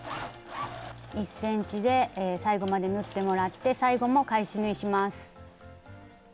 １ｃｍで最後まで縫ってもらって最後も返し縫いします。